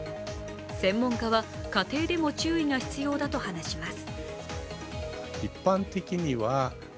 専門家は家庭でも注意が必要だと話します。